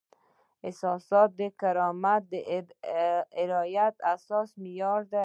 احساسات د کرامت د رعایت اساسي معیار دی.